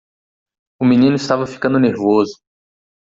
O menino estava ficando nervoso.